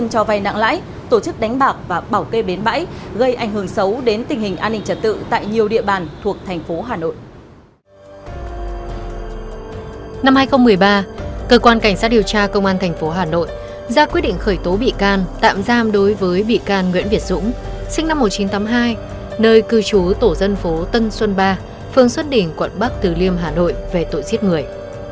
năm hai nghìn một mươi ba cơ quan cảnh sát điều tra công an thành phố hà nội ra quyết định khởi tố bị can tạm giam đối với bị can nguyễn việt dũng sinh năm một nghìn chín trăm tám mươi hai nơi cư trú tổ dân phố tân xuân ba phương xuất đỉnh quận bắc từ liêm hà nội về tội giết người